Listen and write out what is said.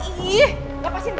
ih lepasin gue